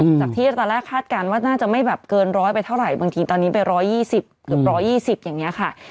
จากที่ตอนแรกคาดการณ์ว่าน่าจะไม่แบบเกินร้อยไปเท่าไหร่บางทีตอนนี้ไป๑๒๐เกือบ๑๒๐อย่างนี้ค่ะ